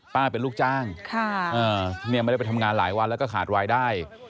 เป็นลูกจ้างไม่ได้ไปทำงานหลายวันแล้วก็ขาดวายได้